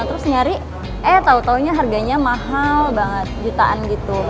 terus nyari eh tau taunya harganya mahal banget jutaan gitu